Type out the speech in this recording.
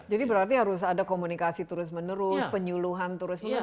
jadi berarti harus ada komunikasi terus menerus penyuluhan terus menerus